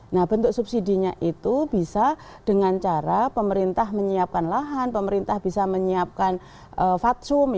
nah bentuk subsidinya itu bisa dengan cara pemerintah menyiapkan lahan pemerintah bisa menyiapkan fatsum